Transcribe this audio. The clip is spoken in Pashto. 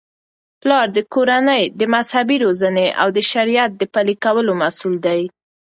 پلار د کورنی د مذهبي روزنې او د شریعت د پلي کولو مسؤل دی.